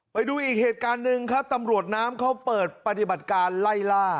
ไปดูอีกเหตุการณ์หนึ่งครับตำรวจน้ำเขาเปิดปฏิบัติการไล่ล่า